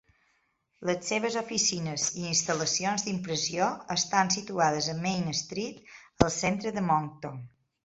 Les seves oficines i instal·lacions d'impressió estan situades a Main Street, al centre de Moncton.